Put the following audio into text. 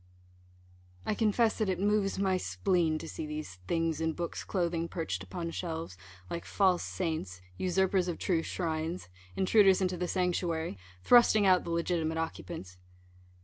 I confess that it moves my spleen to see these things in books' clothing perched upon shelves, like false saints, usurpers of true shrines, intruders into the sanctuary, thrusting out the legitimate occupants.